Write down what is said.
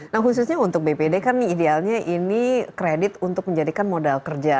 nah khususnya untuk bpd kan idealnya ini kredit untuk menjadikan modal kerja